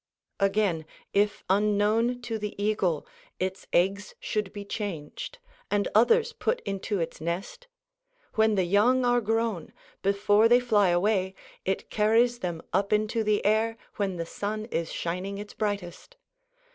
Again, if unknown to the eagle its eggs should be changed and others put into its nest, when the young are grown, before they fly away, it carries them up into the air when the sun is shining its brightest.